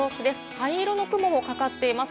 灰色の雲がかかっています。